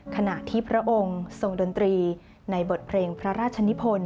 ขณะที่พระองค์ทรงดนตรีในบทเพลงพระราชนิพล